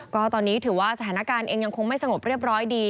ก็ตอนนี้ถือว่าสถานการณ์เองยังคงไม่สงบเรียบร้อยดี